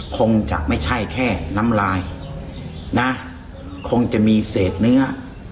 คงจะไม่ใช่แค่น้ำลายนะคงจะมีเศษเนื้อ